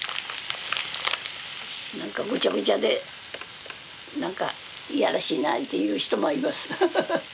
何かぐちゃぐちゃで何か嫌らしいなっていう人もいます。